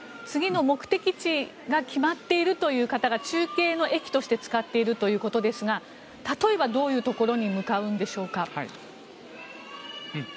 次の目的地が決まっているという方が中継の駅として使っているということですが例えばどういうところに向かうのでしょうか。